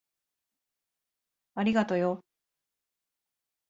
ありがとよ。